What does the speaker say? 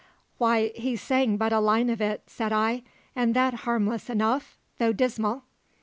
"Why, he sang but a line of it," said I, "and that harmless enough, though dismal."